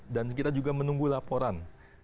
dan kita juga menunggu laporan